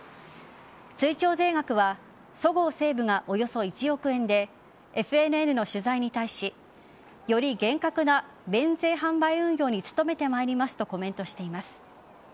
追徴税額はそごう・西武がおよそ１億円でＦＮＮの取材に対しより厳格な免税販売運用に努めてまいりますとコメントしています。